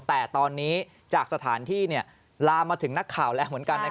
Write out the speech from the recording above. แต่ตอนนี้จากสถานที่ลามมาถึงนักข่าวแล้วเหมือนกัน